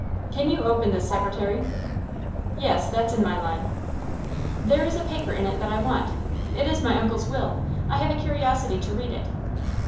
Can you open this secretary?" "Yes; that's in my line." "There is a paper in it that I want. It is my uncle's will. I have a curiosity to read it."